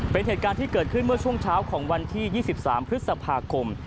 เป็นเหตุการณ์ที่เกิดขึ้นเมื่อช่วงเช้าของวันที่๒๓พฤษภาคม